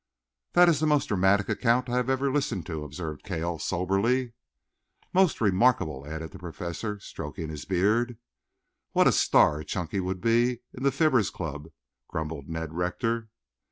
"That is the most dramatic account I have ever listened to," observed Cale soberly. "Most remarkable," added the Professor, stroking his beard. "What a star Chunky would be in the Fibbers' Club," grumbled Ned Rector.